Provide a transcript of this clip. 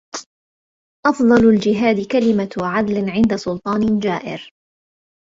أفْضَلُ الجهاد كلمة عدل عند سلطان جائر